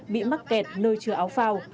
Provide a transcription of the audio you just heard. bị mắc kẹt nơi chừa áo phao